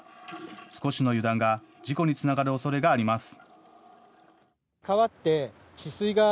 少しの油断が事故につながるおそれがあります。